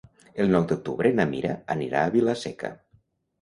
El nou d'octubre na Mira anirà a Vila-seca.